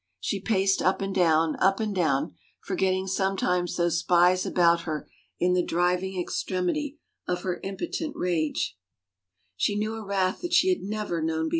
She paced up and down, up and down, forgetting sometimes those spies about her in the driving extremity of her impotent rage. 346 A LETTER AND TWO SONGS She knew a wrath that she had never known.